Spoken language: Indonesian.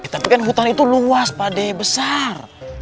tapi kan hutan itu luas pak d besar